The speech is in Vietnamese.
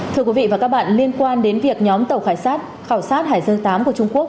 thưa quý vị và các bạn liên quan đến việc nhóm tàu khảo sát khảo sát hải dương viii của trung quốc